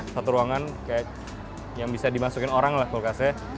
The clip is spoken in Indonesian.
satu ruangan kayak yang bisa dimasukin orang lah kulkasnya